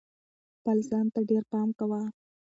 خپل ځان ته ډېر پام کوه.